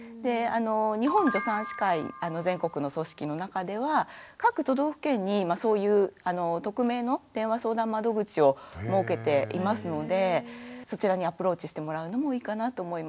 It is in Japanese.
日本助産師会全国の組織の中では各都道府県にそういう匿名の電話相談窓口を設けていますのでそちらにアプローチしてもらうのもいいかなと思います。